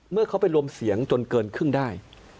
เมื่อเขาไปรวมเสียงจนเกินครึ่งได้